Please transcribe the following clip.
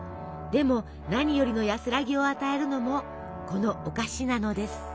でも何よりの安らぎを与えるのもこのお菓子なのです。